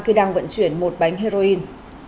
khi đang vận chuyển một bánh heroin